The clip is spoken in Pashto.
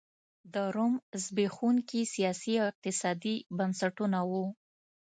د روم زبېښونکي سیاسي او اقتصادي بنسټونه وو